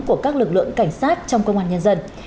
của các lực lượng cảnh sát trong công an nhân dân